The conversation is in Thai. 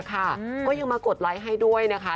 ก็ยังมากดไลค์ให้ด้วยนะคะ